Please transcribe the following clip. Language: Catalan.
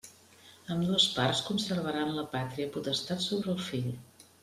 Ambdues parts conservaran la pàtria potestat sobre el fill.